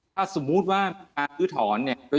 ถ้าสมมุติว่าการลื้อถอนเนี่ย